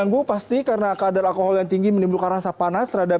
mengganggu pasti karena kadar alkohol yang tinggi menimbulkan rasa panas terhadap